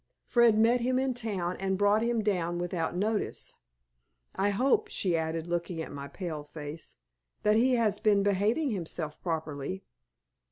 Fred met him in town, and brought him down without notice. I hope," she added, looking at my pale face, "that he has been behaving himself properly."